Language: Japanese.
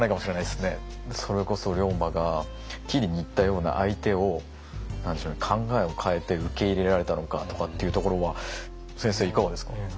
それこそ龍馬が斬りにいったような相手を考えを変えて受け入れられたのかとかっていうところは先生いかがですか？